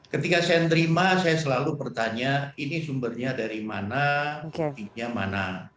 ketika saya terima saya selalu bertanya ini sumbernya dari mana buktinya mana